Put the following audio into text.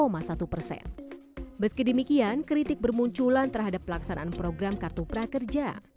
meski demikian kritik bermunculan terhadap pelaksanaan program kartu prakerja